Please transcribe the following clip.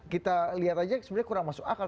kita lihat aja sebenarnya kurang masuk akal